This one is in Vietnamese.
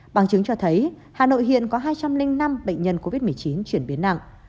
bằng chứng cho thấy hà nội hiện có hai trăm linh năm bệnh nhân covid một mươi chín chuyển biến nặng